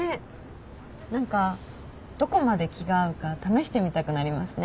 何かどこまで気が合うか試してみたくなりますね。